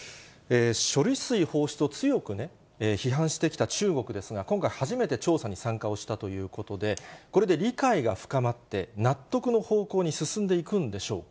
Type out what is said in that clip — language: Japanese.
処理水放出を強く批判してきた中国ですが、今回、初めて調査に参加したということで、これで理解が深まって納得の方向に進んでいくんでしょうか。